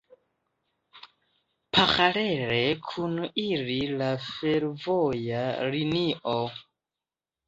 Paralele kun ili la fervoja linio.